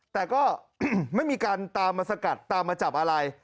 แต่ก็ไม่มีการตามมาสกัดตามมาจับอะไร